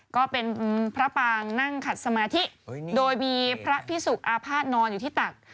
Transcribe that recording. ก็เป็นพระปางนั่งขัดสมาธิโดยมีพระพิสุกอาภาษณ์นอนอยู่ที่ตัก